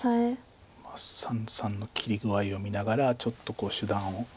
三々の切り具合を見ながらちょっと手段を。